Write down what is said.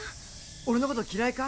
俺のこと嫌いか？